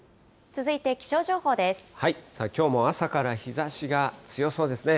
きょうも朝から日ざしが強そうですね。